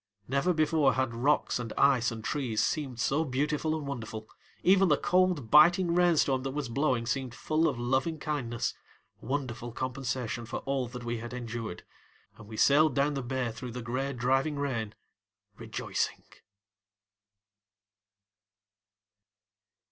Never before had rocks and ice and trees seemed so beautiful and wonderful, even the cold, biting rainstorm that was blowing seemed full of loving kindness, wonderful compensation for all that we had endured, and we sailed down the bay through the gray, driving rain rejoicing.